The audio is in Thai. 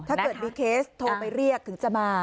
ถ้าเกิดมีเคสโทรไปเรียกถึงจะมา